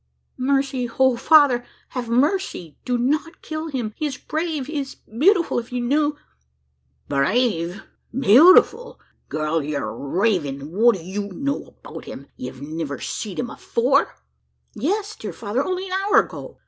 "Mercy! O father, have mercy! Do not kill him. He is brave he is beautiful! If you knew " "Brave! beautiful? gurl, yur ravin'! What do you know about him? Ye've niver seed him afore?" "Yes, dear father! only an hour ago.